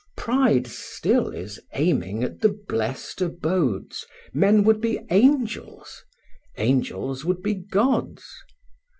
Pride still is aiming at the blest abodes, Men would be angels, angels would be gods.